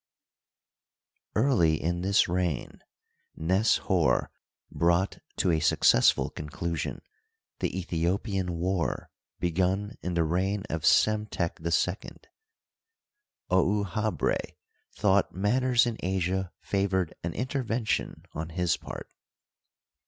Early in this reign Nes Hor brought to a successful conclusion the Aethiopian war begun in the reign of Psemtek II. Ouahabra thought matters in Asia favored an intervention on his part.